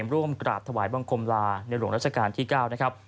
ร่วมกราบถวายบังคมลาในหลวงราชการที่๙นะครับ